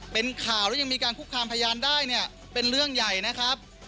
เป็นข่าวแล้วยังมีการคุกคามพยานได้เนี่ยเป็นเรื่องใหญ่นะครับ